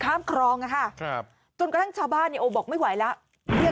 กลุ่มหนึ่งก็คือ